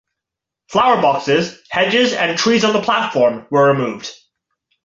Flower boxes, hedges and trees on the platform were removed.